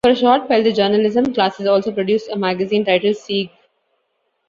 For a short while the journalism classes also produced a magazine, titled "Segue".